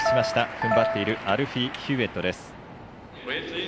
ふんばっているアルフィー・ヒューウェットです。